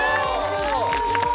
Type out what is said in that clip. すごい。